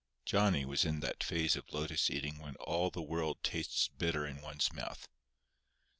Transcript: Johnny was in that phase of lotus eating when all the world tastes bitter in one's mouth.